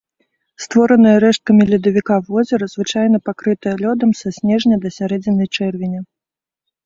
Створанае рэшткамі ледавіка, возера звычайна пакрытае лёдам са снежня да сярэдзіны чэрвеня.